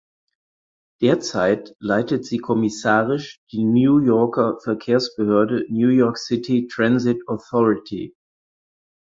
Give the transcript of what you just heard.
Derzeit leitet sie kommissarisch die New Yorker Verkehrsbehörde New York City Transit Authority.